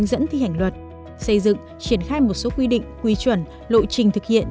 dẫn thi hành luật xây dựng triển khai một số quy định quy chuẩn lộ trình thực hiện